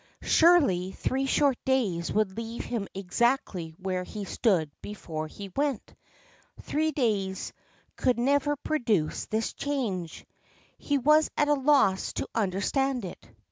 Surely three short days would leave him exactly where he stood before he went. Three days could never produce this change. He was at a loss to understand it.